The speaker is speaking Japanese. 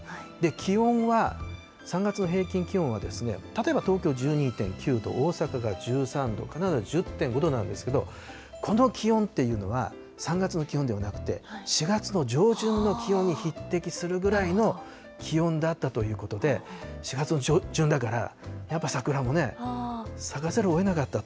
気温は、３月の平均気温は、例えば、東京１２．９度、大阪が１３度、金沢は１０．５度なんですけれども、この気温というのは、３月の気温ではなくて、４月の上旬の気温に匹敵するぐらいの気温だったということで、４月の上旬だから、やっぱり桜も咲かざるをえなかったと。